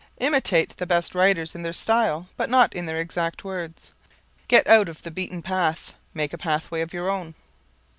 Imitate the best writers in their style, but not in their exact words. Get out of the beaten path, make a pathway of your own.